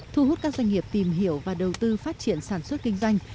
thu hút các doanh nghiệp tìm hiểu và đầu tư phát triển sản xuất kinh doanh